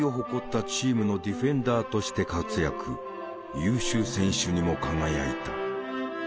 優秀選手にも輝いた。